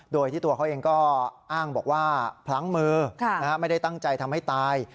โดยที่ตัวเขาเองก็อ้างบอกว่าพลั้งมือไม่ได้ตั้งใจทำให้ตาย